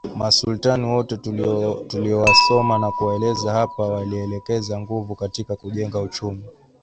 Masultan wote tuliowasoma na kuwaelezea hapa walielekeza nguvu katika kujenga uchumi